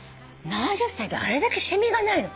７０歳であれだけ染みがないの。